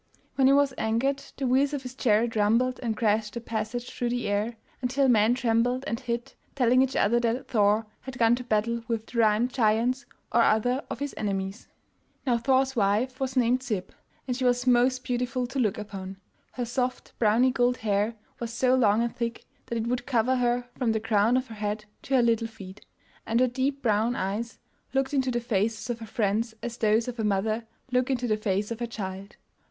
When he was angered the wheels of his chariot rumbled and crashed their passage through the air, until men trembled and hid, telling each other that Thor had gone to battle with the Rime giants or other of his enemies. Now Thor's wife was named Sib, and she was most beautiful to look upon. Her soft, browny gold hair was so long and thick that it would cover her from the crown of her head to her little feet, and her deep brown eyes looked into the faces of her friends as those of a mother look into the face of her child.